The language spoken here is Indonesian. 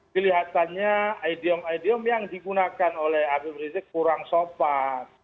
kelihatannya idiom idiom yang digunakan oleh habib rizik kurang sopan